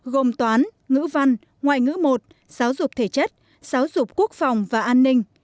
gồm toán ngữ văn ngoại ngữ một giáo dục thể chất giáo dục quốc phòng và an ninh